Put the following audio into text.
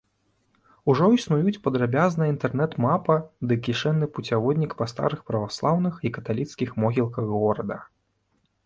Ужо існуюць падрабязная інтэрнэт-мапа ды кішэнны пуцяводнік па старых праваслаўных і каталіцкіх могілках горада.